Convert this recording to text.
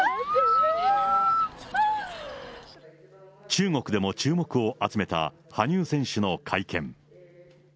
中国でも注目を集めた羽生選手の会見。